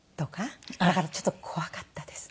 だからちょっと怖かったです。